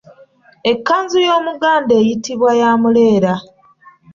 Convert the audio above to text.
Ekkanzu y'Omuganda eyitibwa “ya muleera.῎